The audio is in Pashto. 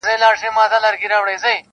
چي انسان هم آموخته په غلامۍ سي -